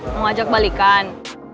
mau ajak balikan